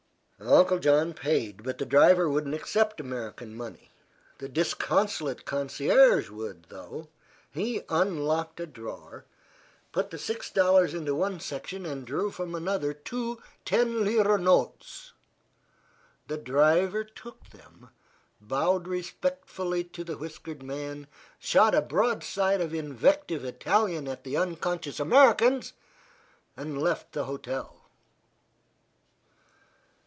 Uncle John paid, but the driver wouldn't accept American money. The disconsolate concierge would, though. He unlocked a drawer, put the six dollars into one section and drew from another two ten lira notes. The driver took them, bowed respectfully to the whiskered man, shot a broadside of invective Italian at the unconscious Americans, and left the hotel.